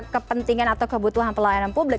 kepentingan atau kebutuhan pelayanan publik